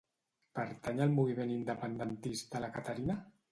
Pertany al moviment independentista la Caterina?